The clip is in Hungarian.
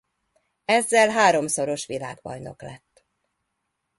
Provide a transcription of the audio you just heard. Ezzel háromszoros világbajnok lett.